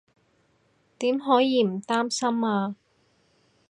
點可以唔擔心啊